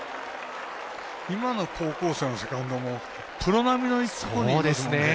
今の高校生のセカンドもプロ並みのところにいますね。